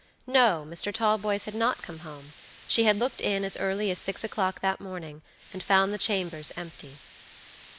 No, Mr. Talboys had not come home; she had looked in as early as six o'clock that morning, and found the chambers empty.